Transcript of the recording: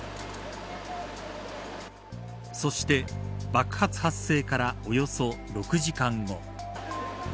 そして爆発発生からおよそ６時間後。